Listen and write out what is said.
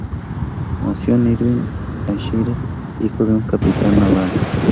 Nació en Irvine, Ayrshire, hijo de un capitán naval.